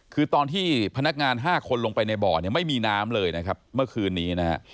คือตอนที่พนักงาน๕คนลงไปในบ่อเนี่ยไม่มีน้ำเลยนะครับเมื่อคืนนี้นะฮะ